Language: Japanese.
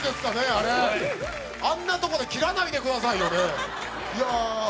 あれあんなとこで切らないでくださいよね